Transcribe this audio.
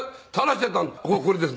これです。